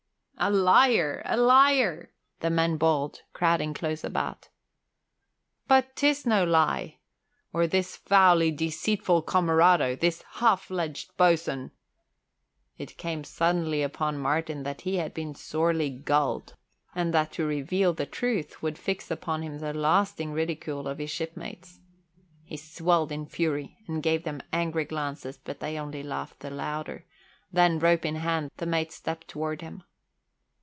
"A liar! A liar!" the men bawled, crowding close about. "But 'tis no lie. Or this foully deceitful comerado, this half fledged boatswain " It came suddenly upon Martin that he had been sorely gulled, and that to reveal the truth would fix upon him the lasting ridicule of his shipmates. He swelled in fury and gave them angry glances but they only laughed the louder, then, rope in hand, the mate stepped toward him.